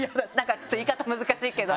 ちょっと言い方難しいけど。